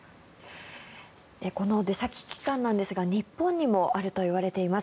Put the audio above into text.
この出先機関ですが日本にもあるといわれています。